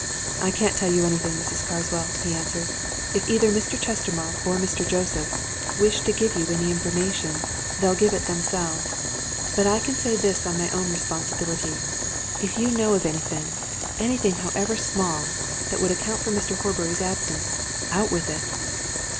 "I can't tell you anything, Mrs. Carswell," he answered. "If either Mr. Chestermarke or Mr. Joseph wish to give you any information, they'll give it themselves. But I can say this on my own responsibility if you know of anything anything, however small! that would account for Mr. Horbury's absence, out with it!"